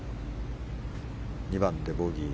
２番でボギー。